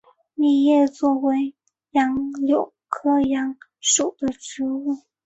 密叶杨为杨柳科杨属的植物。